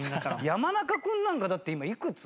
山中君なんかだって今いくつ？